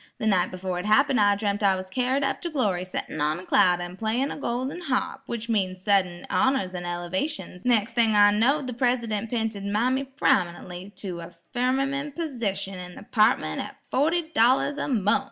The night befo' it happened I dreamt I was carried up to glory'settin' on a cloud an' playin' on a golden harp, which means suddint honors an' el'vations; nex' thing I knowed the Presidunt 'pinted mammy prominen'ly to a firmamen' persition in the 'partment at forty dollars a munf.